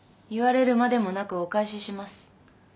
言われるまでもなくお返しします。